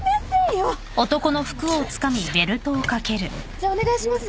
じゃお願いします。